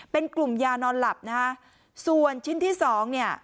เป็นกลุ่มยานอนหลับนะฮะส่วนชิ้นที่สองเนี่ย